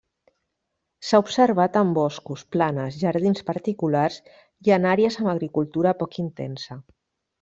S'ha observat en boscos, planes, jardins particulars i en àrees amb agricultura poc intensa.